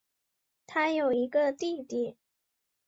她有一个弟弟。